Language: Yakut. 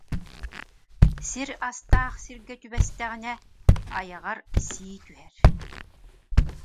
Сир астаах сиргэ түбэстэҕинэ айаҕар сии түһэр